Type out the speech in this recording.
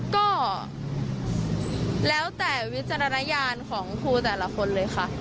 ก็แล้วแต่วิจารณญาณของครูแต่ละคนเลยค่ะ